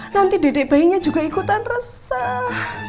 nanti dedek bayinya juga ikutan resah